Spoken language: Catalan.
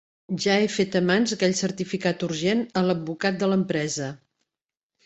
Ja he fet a mans aquell certificat urgent a l'advocat de l'empresa.